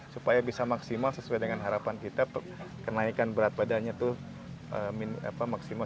supaya bisa maksimal sesuai dengan harapan kita kemenaikan berat badannya tuh minum apa maksimal